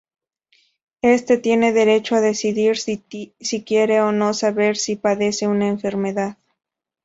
Éste tiene derecho a decidir si quiere o no saber si padece una enfermedad.